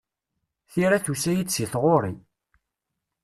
Tira tusa-yi-d seg tɣuri.